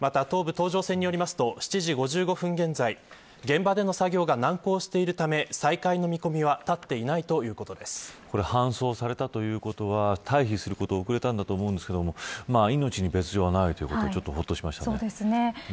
また、東武東上線によりますと７時５５分現在現場での作業が難航しているため再開の見込みは立っていない搬送されたということは退避することが遅れたと思うんですけど命に別条はないということでちょっと、ほっとしましたね。